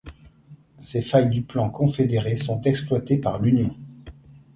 Ces failles du plan confédérés sont exploitées par l'Union.